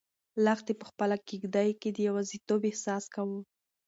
لښتې په خپله کيږدۍ کې د یوازیتوب احساس کاوه.